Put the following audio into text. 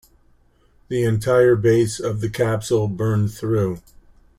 The entire base of the capsule burned through.